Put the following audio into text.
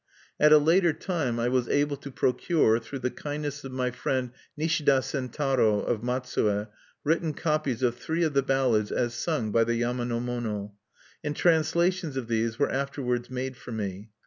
At a later time I was able to procure, through the kindness of my friend Nishida Sentaro, of Matsue, written copies of three of the ballads as sung by the yama no mono; and translations of these were afterwards made for me.